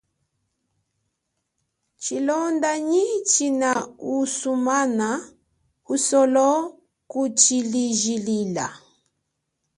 Tshilonda nyi tshina sumana usolo kutshijilila.